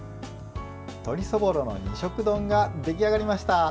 鶏そぼろの二色丼が出来上がりました。